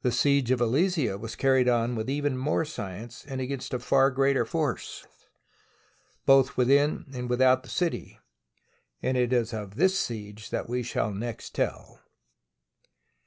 The siege of Alesia was carried on with even more science and against a far greater force, both within and without the city, and it is of this siege that we shall next tell.